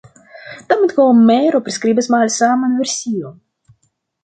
Tamen, Homero priskribas malsaman version.